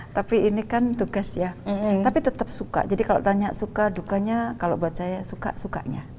tapi ini kan tugas ya tapi tetap suka jadi kalau tanya suka dukanya kalau buat saya suka sukanya